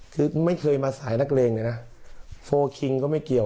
คือไม่เคยมาสายนักเลงเลยนะโฟลคิงก็ไม่เกี่ยว